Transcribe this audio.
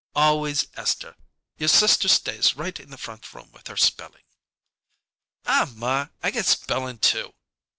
"Always Esther! Your sister stays right in the front room with her spelling." "Aw, ma, I got spelling, too."